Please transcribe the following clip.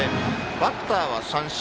バッターは三振。